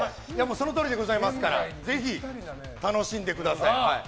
そのとおりでございますからぜひ楽しんでください。